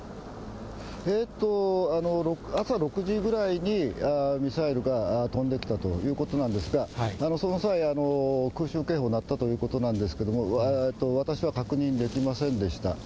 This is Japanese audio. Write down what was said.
朝６時ぐらいに、ミサイルが飛んできたということなんですが、その際、空襲警報鳴ったということなんですけれども、私は確認できませんでした。